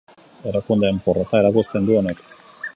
Erakundeen porrota erakusten du honek.